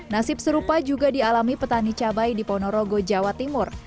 nasib serupa juga dialami petani cabai di ponorogo jawa timur